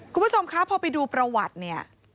คุณผู้ชมคะพอไปดูประวัติเนี่ย